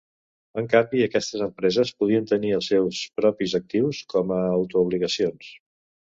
En canvi, aquestes empreses poden tenir els seus propis actius com a "auto-obligacions".